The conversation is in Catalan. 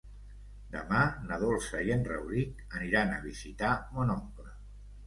Demà na Dolça i en Rauric aniran a visitar mon oncle.